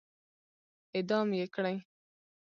اعدام يې کړئ!